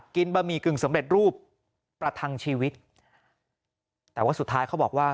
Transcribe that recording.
บะหมี่กึ่งสำเร็จรูปประทังชีวิตแต่ว่าสุดท้ายเขาบอกว่า